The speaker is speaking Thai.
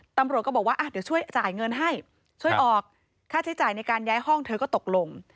ตำรวจก็บอกว่าเดี๋ยวช่วยจ่ายเงินให้ช่วยออกค่าใช้จ่ายในการย้ายห้องเธอก็ตกลง